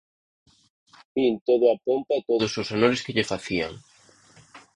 Vin toda a pompa e todos os honores que lle facían.